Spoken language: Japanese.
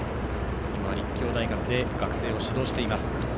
立教大学で学生を指導しています。